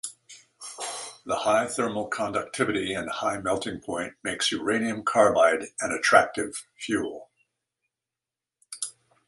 The high thermal conductivity and high melting point makes uranium carbide an attractive fuel.